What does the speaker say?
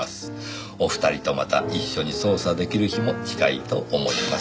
「お二人とまた一緒に捜査出来る日も近いと思います」